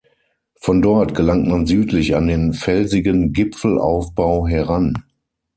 Von dort gelangt man südlich an den felsigen Gipfelaufbau heran.